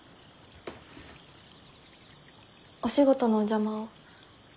お仕事のお邪魔を。